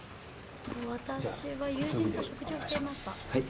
私は友人と食事をしていました。